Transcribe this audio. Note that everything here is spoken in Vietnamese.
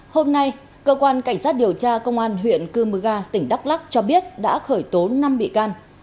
hôm nay cơ quan cảnh sát điều tra công an huyện cư mơ ga tỉnh đắk lắc cho biết đã khởi tố năm bị can